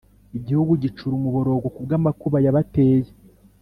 Igihugu gicura umuborogo kubwamakuba yabateye